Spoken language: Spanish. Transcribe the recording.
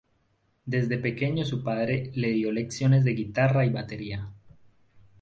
Desde pequeño su padre le dio lecciones de guitarra y batería.